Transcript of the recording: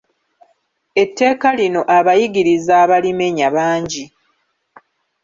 Etteeka lino abayigiriza abalimenya bangi.